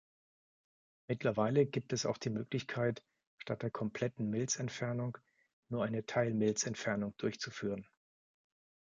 Mittlerweile gibt es auch die Möglichkeit, statt der kompletten Milz-Entfernung nur eine Teilmilz-Entfernung durchzuführen.